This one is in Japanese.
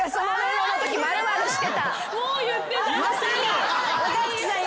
もう言ってた。